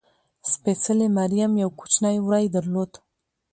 سپېڅلې مریم یو کوچنی وری درلود.